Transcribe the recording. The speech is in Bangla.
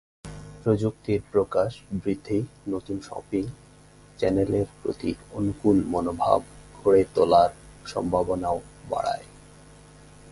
প্রযুক্তির প্রকাশ বৃদ্ধি নতুন শপিং চ্যানেলের প্রতি অনুকূল মনোভাব গড়ে তোলার সম্ভাবনাও বাড়ায়।